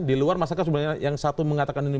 di luar masyarakat sebenarnya yang satu mengatakan ini